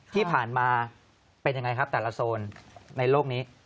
ที่ผ่านมาเป็นยังไงครับแต่ละโซนในโลกนี้